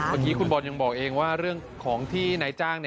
เมื่อกี้คุณบอลยังบอกเองว่าเรื่องของที่นายจ้าง